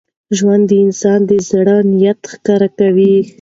ژوند د انسان د زړه نیت ښکاره کوي.